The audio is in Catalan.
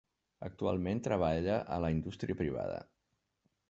Actualment treballa a la indústria privada.